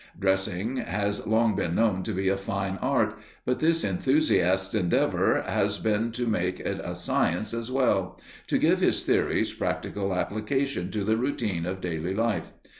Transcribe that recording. Dressing has long been known to be a fine art, but this enthusiast's endeavour has been to make it a science as well to give his theories practical application to the routine of daily life.